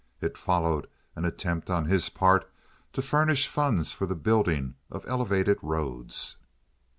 It followed an attempt on his part to furnish funds for the building of elevated roads.